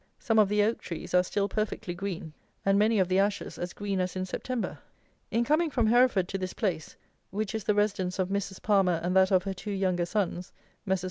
Some of the oak trees are still perfectly green, and many of the ashes as green as in September. In coming from Hereford to this place, which is the residence of Mrs. PALMER and that of her two younger sons, Messrs.